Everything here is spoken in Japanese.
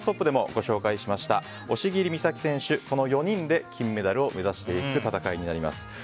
でもご紹介しました押切美沙紀選手の４人で金メダルを目指していく戦いになります。